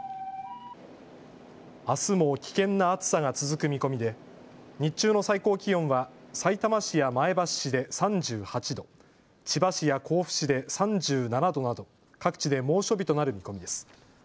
あすも危険な暑さが続く見込みで日中の最高気温はさいたま市や前橋市で３８度、千葉市や甲府市で３７度など各地で猛暑日となる見込みです。